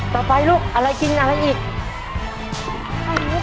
ต่อไปลูกอะไรกินอะไรอีก